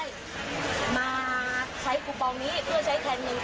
แล้วก็จะได้มาใช้กุปองนี้เพื่อใช้แค่เงินสด